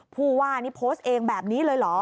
ผู้ว่านี่โพสต์เองแบบนี้เลยเหรอ